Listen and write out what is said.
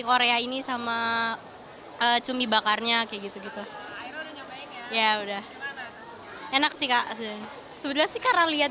korea ini sama cumi bakarnya kayak gitu gitu akhirnya ya udah enak sih kak sebetulnya sih karena lihat